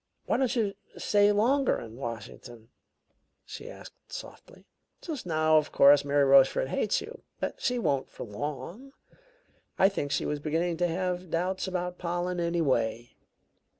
"Why don't you stay longer in Washington?" she asked softly. "Just now, of course, Mary Rochefort hates you; but she won't for long I think she was beginning to have doubts about Pollen, anyway."